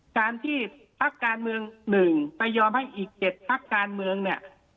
การที่ภาคการเมืองหนึ่งไปยอมให้อีกเจ็ดภาคการเมืองเนี่ย